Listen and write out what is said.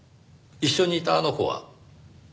一緒にいたあの子は？